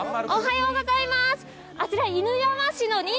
おはようございます。